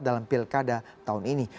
dalam pilkada tahun ini